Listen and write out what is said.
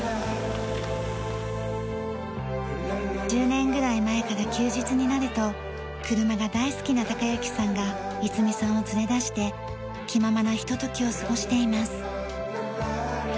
１０年ぐらい前から休日になると車が大好きな隆行さんが五美さんを連れ出して気ままなひとときを過ごしています。